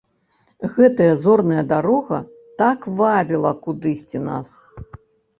Гэтая зорная дарога так вабіла кудысьці нас!